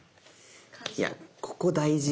いやここ大事よ